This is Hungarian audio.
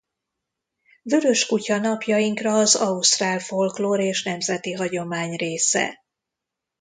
Vörös Kutya napjainkra az ausztrál folklór és nemzeti hagyomány része.